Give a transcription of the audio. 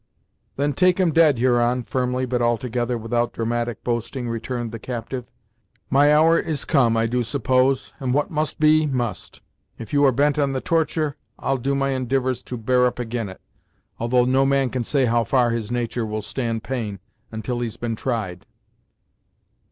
"Then take 'em dead, Huron," firmly, but altogether without dramatic boasting, returned the captive. "My hour is come, I do suppose, and what must be, must. If you are bent on the tortur', I'll do my indivours to bear up ag'in it, though no man can say how far his natur' will stand pain, until he's been tried."